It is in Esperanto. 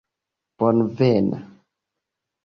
bonvena